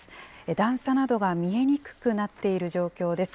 段差などが見えにくくなっている状況です。